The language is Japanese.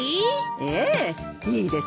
ええいいですよ。